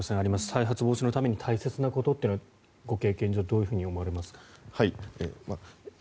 再発防止のために大切なことというのはご経験上どういうふうに思われますか？